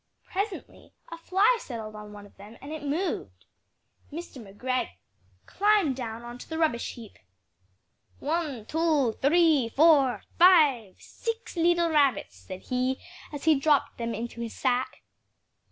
Presently a fly settled on one of them and it moved. Mr. McGregor climbed down on to the rubbish heap "One, two, three, four! five! six leetle rabbits!" said he as he dropped them into his sack.